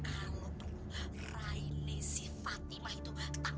kalau perlu raini si fatimah itu tak bikin biru